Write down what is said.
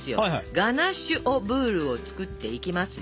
ガナッシュ・オ・ブールを作っていきますよ。